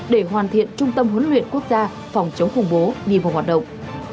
để hoàn thiện trung tâm huấn luyện quốc gia phòng chống khủng bố đi vào hoạt động